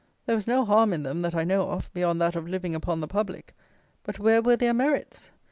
There was no harm in them that I know of, beyond that of living upon the public; but where were their merits?